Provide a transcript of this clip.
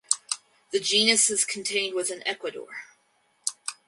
The genus is contained within Ecuador.